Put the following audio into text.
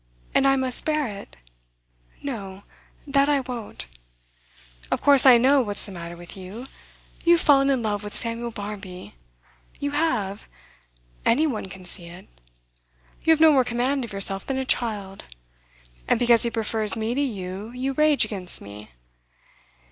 And I must bear it? No, that I won't! Of course I know what's the matter with you. You have fallen in love with Samuel Barmby. You have! Any one can see it. You have no more command of yourself than a child. And because he prefers me to you, you rage against me.